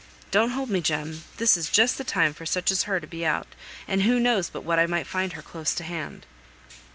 Don't hold me, Jem; this is just the time for such as her to be out, and who knows but what I might find her close at hand."